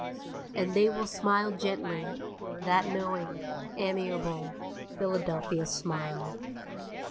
And they will smile gently, that knowing, amiable Philadelphia smile.